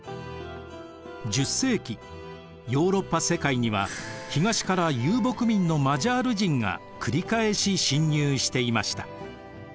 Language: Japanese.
ヨーロッパ世界には東から遊牧民のマジャール人が繰り返し侵入していました。